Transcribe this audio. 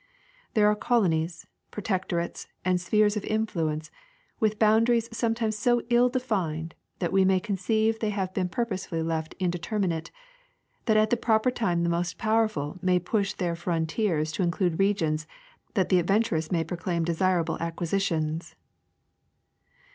There are colonies, protectorates, and spheres of influence, with boundaries sometimes so ill defined that we may conceive they have been purposely left indeterminate, that at the proper time the most powerful may push their frontiers to in clude regions that the adventurous may proclaim desirable ac quisitions.